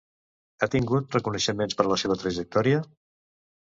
Ha tingut reconeixements per la seva trajectòria?